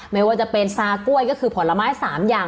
ไม่ว่าจะเป็นซากล้วยก็คือผลไม้๓อย่าง